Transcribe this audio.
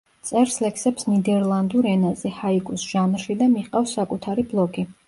წერს ლექსებს ნიდერლანდურ ენაზე ჰაიკუს ჟანრში და მიჰყავს საკუთარი ბლოგი.